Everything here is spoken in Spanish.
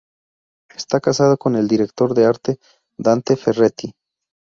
Está casada con el director de arte Dante Ferretti.